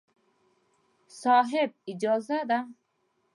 صاحب! اجازه ده.